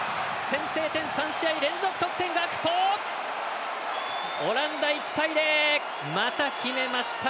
先制点、３試合連続ガクポ！オランダ、１対０。また決めました、